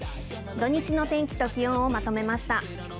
土日の天気と気温をまとめました。